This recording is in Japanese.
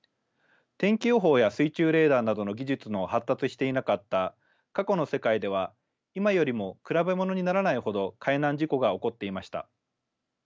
天気予報や水中レーダーなどの技術の発達していなかった過去の世界では今よりも比べ物にならないほど海難事故が起こっていました。